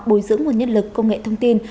bồi dưỡng nguồn nhất lực công nghệ thông tin